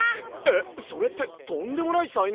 えっそれってとんでもない才能だ！